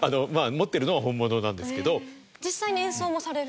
持ってるのは本物なんですけど。